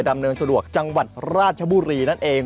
ดำเนินสะดวกจังหวัดราชบุรีนั่นเอง